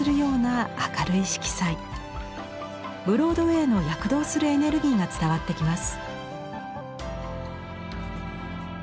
ブロードウェイの躍動するエネルギーが伝わってきます。